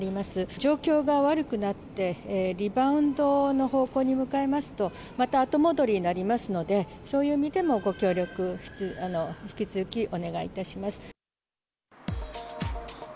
状況が悪くなって、リバウンドの方向に向かいますと、また後戻りになりますので、そういう意味でもご協力、引き続きお願いいたします。